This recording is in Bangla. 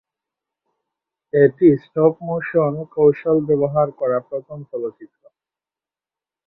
এটি স্টপ মোশন কৌশল ব্যবহার করা প্রথম চলচ্চিত্র।